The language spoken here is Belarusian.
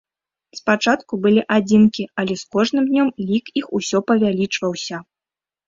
Спачатку былі адзінкі, але з кожным днём лік іх усё павялічваўся.